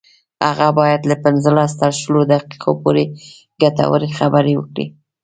هغه باید له پنځلس تر شلو دقیقو پورې ګټورې خبرې وکړي